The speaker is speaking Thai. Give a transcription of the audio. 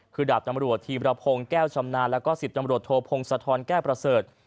คือดาบนำรวจทีมระพงแก้วชำนาญและ๑๐นำรวจโทพงสะทอนแก้ประเสริฐ